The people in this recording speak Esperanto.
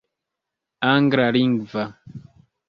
anglalingva